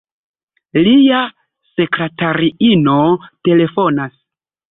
Lia sekratariino telefonas.